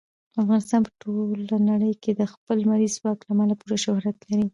افغانستان په ټوله نړۍ کې د خپل لمریز ځواک له امله پوره شهرت لري.